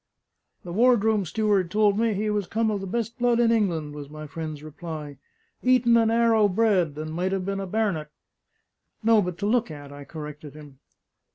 "The ward room steward told me he was come of the best blood in England," was my friend's reply: "Eton and 'Arrow bred; and might have been a bar'net!" "No, but to look at?" I corrected him.